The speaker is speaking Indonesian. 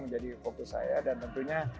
menjadi fokus saya dan tentunya